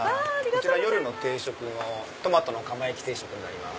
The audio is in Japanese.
夜の定食のトマトの釜焼定食になります。